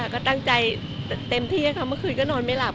ก็ตั้งใจเต็มที่ค่ะเมื่อคืนก็นอนไม่หลับ